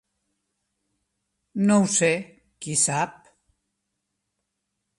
No ho sé, qui sap?